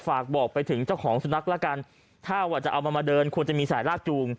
ฝากบอกไปถึงเจ้าของสุนัขละกันถ้าว่าจะเอามันมาเดินควรจะมีสายลากจูง